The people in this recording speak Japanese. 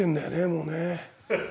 もうね。